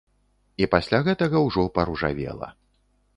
І пасля гэтага ўжо паружавела.